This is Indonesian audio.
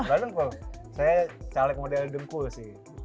padahal dengkul saya caleg model dengkul sih